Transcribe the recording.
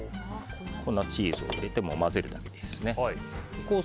粉チーズを入れて混ぜるだけです。